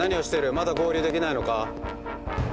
まだ合流できないのか？」。